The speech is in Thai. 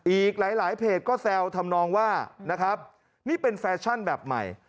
อีกหลายเพจก็แซวทำนองว่านะครับนี่เป็นแฟชั่นแบบใหม่